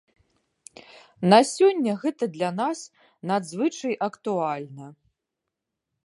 На сёння гэта для нас надзвычай актуальна.